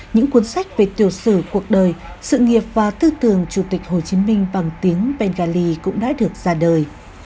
những cuốn sách về tiểu sử cuộc đời sự nghiệp và tư tưởng chủ tịch hồ chí minh bằng tiếng bengali cũng đã được ra đời